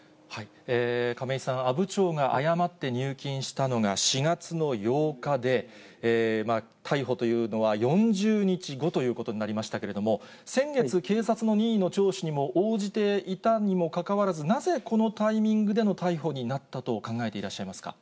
亀井さん、阿武町が誤って入金したのが４月の８日で、逮捕というのは４０日後ということになりましたけれども、先月、警察の任意の聴取にも応じていたにもかかわらず、なぜこのタイミングでの逮捕になったと考えていらっしゃいますか？